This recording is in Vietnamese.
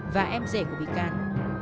và em rể của bị can